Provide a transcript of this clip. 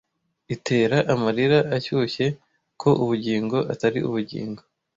Itera amarira ashyushye: ko ubugingo atari ubugingo,